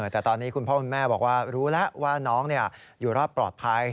แต่ตอนนี้คุณพ่อคุณแม่บอกว่ารู้แล้วว่าน้องอยู่รอดปลอดภัย